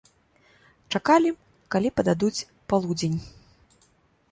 Чакалі, калі пададуць полудзень.